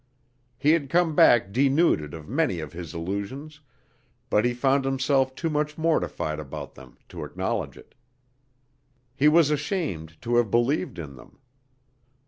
He had come back denuded of many of his illusions, but he found himself too much mortified about them to acknowledge it. He was ashamed to have believed in them.